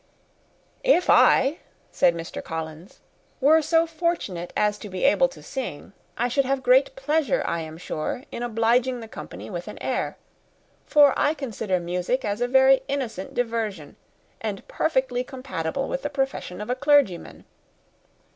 "If I," said Mr. Collins, "were so fortunate as to be able to sing, I should have great pleasure, I am sure, in obliging the company with an air; for I consider music as a very innocent diversion, and perfectly compatible with the profession of a clergyman.